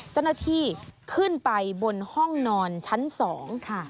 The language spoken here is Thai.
เจ้าหน้าที่ขึ้นไปบนห้องนอนชั้นสองค่ะ